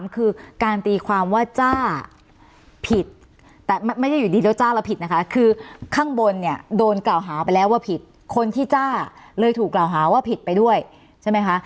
คือการตีความว่าจ้าผิดแต่ไม่ได้อยู่ดีแล้วจ้าแล้วผิดนะคะคือข้างบนเนี่ยโดนกล่าวหาไปแล้วว่าผิดคนที่จ้าเลยถูกกล่าวหาว่าผิดไปด้วยใช่ไหมคะ